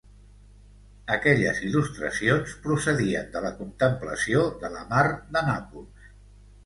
Aquelles il·lustracions procedien de la contemplació de la mar de Nàpols.